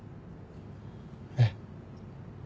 えっ？